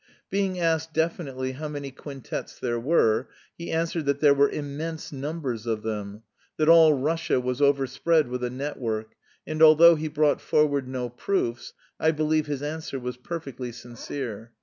Being asked definitely how many quintets there were, he answered that there were immense numbers of them, that all Russia was overspread with a network, and although he brought forward no proofs, I believe his answer was perfectly sincere.